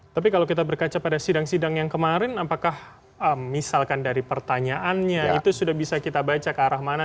tapi kalau kita berkaca pada sidang sidang yang kemarin apakah misalkan dari pertanyaannya itu sudah bisa kita baca ke arah mana